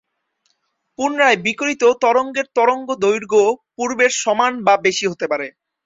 পুনরায় বিকিরিত তরঙ্গের তরঙ্গদৈর্ঘ্য পূর্বের সমান বা বেশি হতে পারে।